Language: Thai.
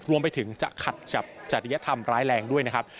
รวมไปถึงจะขัดกับจริยธรรมร้ายแรงด้วยนะครับ